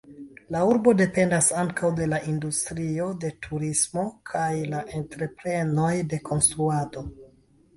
La urbo dependas ankaŭ de la industrio de turismo kaj la entreprenoj de konstruado.